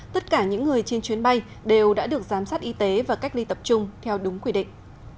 tất cả những người trên chuyến bay đều đã được giám sát y tế và cách ly tập trung theo đúng quy định